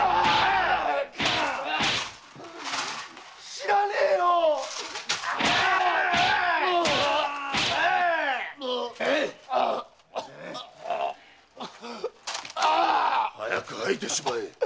知らねえよ！早く吐いてしまえ。